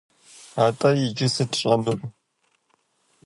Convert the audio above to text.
Атӏэ иджы сыт сщӏэжынур?